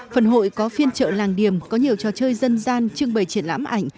phần hội có phiên trợ làng điểm có nhiều trò chơi dân gian trưng bày triển lãm ảnh